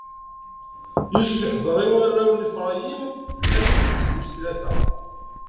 Yusef iḥdeṛ i warraw n Ifṛayim, armi d lǧil wis tlata.